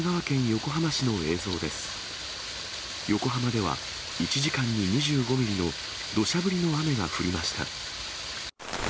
横浜では、１時間に２５ミリのどしゃ降りの雨が降りました。